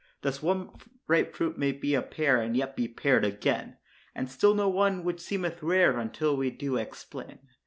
Thus, one ripe fruit may be a pear, and yet be pared again, And still no one, which seemeth rare until we do explain.